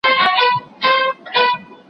په بدل کي دي غوايي دي را وژلي